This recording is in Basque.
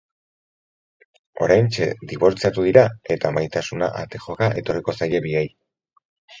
Oraintxe dibortziatu dira eta maitasuna ate joka etorriko zaie biei.